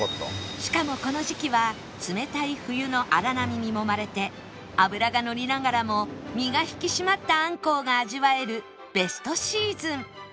しかもこの時期は冷たい冬の荒波にもまれて脂がのりながらも身が引き締まったあんこうが味わえるベストシーズン